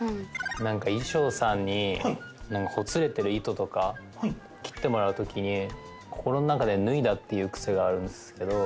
衣装さんにほつれている糸とか切ってもらうときに心の中で「脱いだ」って言う癖があるんですけど。